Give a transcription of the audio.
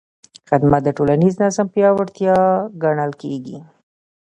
خدمت د ټولنیز نظم پیاوړتیا ګڼل کېږي.